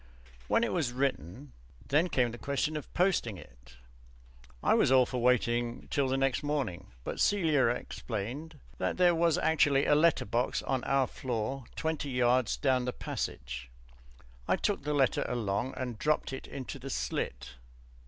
When it was written, then came the question of posting it. I was all for waiting till the next morning, but Celia explained that there was actually a letterbox on our own floor, twenty yards down the passage. I took the letter along and dropped it into the slit.